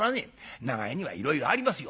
長屋にはいろいろありますよ。